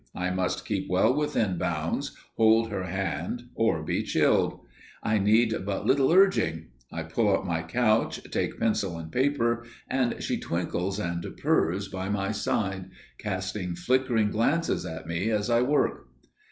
I must keep well within bounds, hold her hand or be chilled. I need but little urging! I pull up my couch, take pencil and paper, and she twinkles and purrs by my side, casting flickering glances at me as I work.